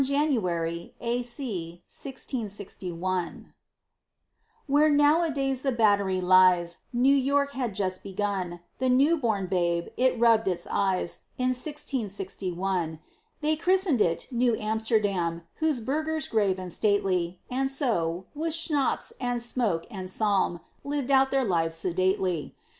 Jan. A. C. 1661] Where nowadays the Battery lies, New York had just begun, A new born babe, to rub its eyes, In Sixteen Sixty One. They christened it Nieuw Amsterdam, Those burghers grave and stately, And so, with schnapps and smoke and psalm, Lived out their lives sedately.